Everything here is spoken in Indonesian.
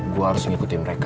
gue harus ngikutin mereka